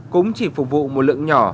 cũng chỉ phục vụ một lượng nhỏ